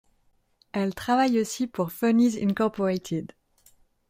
Elle travaille aussi pour Funnies Incorporated.